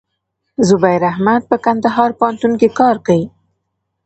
زبير احمد په کندهار پوهنتون کښي کار کيي.